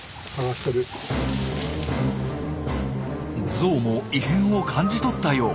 ゾウも異変を感じ取ったよう。